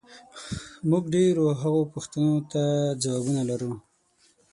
موږ ډېرو هغو پوښتنو ته ځوابونه لرو،